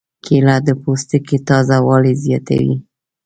کېله د پوستکي تازه والی زیاتوي.